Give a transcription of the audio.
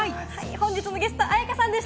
本日のゲスト、絢香さんでした！